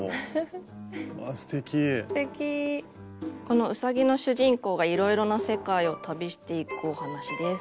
このうさぎの主人公がいろいろな世界を旅していくお話です。